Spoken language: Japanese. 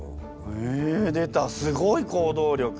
え出たすごい行動力。